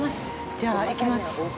じゃあ、行きます。